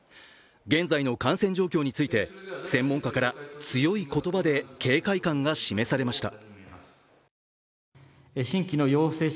現在の感染状況について、専門家から強い言葉で警戒感が示されました。